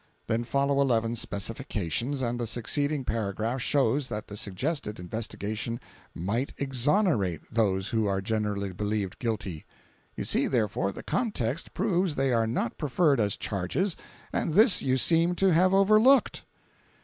Then follow eleven specifications, and the succeeding paragraph shows that the suggested investigation 'might EXONERATE those who are generally believed guilty.' You see, therefore, the context proves they are not preferred as charges, and this you seem to have overlooked."